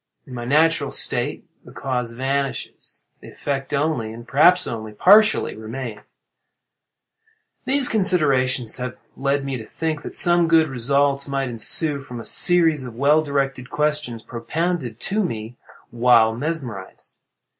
In my natural state, the cause vanishing, the effect only, and perhaps only partially, remains. "These considerations have led me to think that some good results might ensue from a series of well directed questions propounded to me while mesmerized.